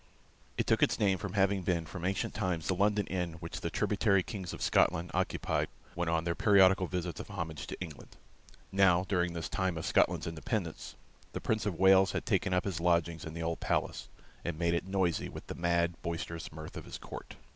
It took its name from having been from ancient times the London inn which the tributary Kings of Scotland occupied when on their periodical visits of homage to England. Now, during this time of Scotland's independence, the Prince of Wales had taken up his lodging in the old palace, and made it noisy with the mad, boisterous mirth of his court.